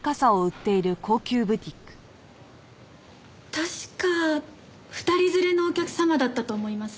確か２人連れのお客様だったと思います。